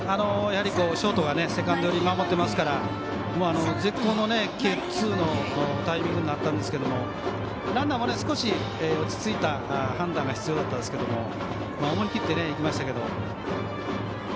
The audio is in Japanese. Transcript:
やはりショートがセカンドに守ってますから絶好のゲッツーのタイミングになったんですけどランナーも少し落ち着いた判断が必要だったんですけど思い切っていきましたけど。